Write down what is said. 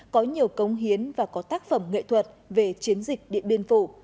có nhiều công hiến và có tác phẩm nghệ thuật về chiến dịch điện biên phủ